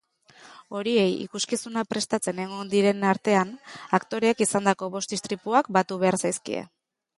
Horiei ikuskizuna prestatzen egon diren artean aktoreek izandako bost istripuak batu behar zaizkie.